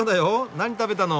何食べたの？